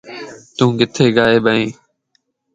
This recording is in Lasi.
تو ڪٿي غائب ائين؟